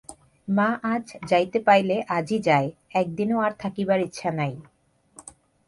মা আজ যাইতে পাইলে আজই যায়, একদিনও আর থাকিবার ইচ্ছা নাই।